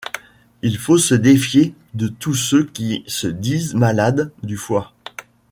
Il faut se défier de tous ceux qui se disent malades du foie...